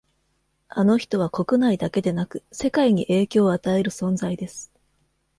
あの人は国内だけでなく世界に影響を与える存在です